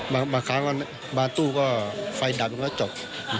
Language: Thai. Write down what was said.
บางครั้งบ้านตู้ก็ไฟดับแล้วจบ